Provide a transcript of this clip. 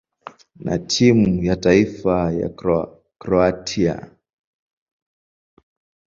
na timu ya taifa ya Kroatia.